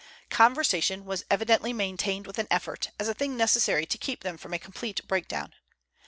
Conversation was evidently maintained with an effort, as a thing necessary to keep them from a complete breakdown.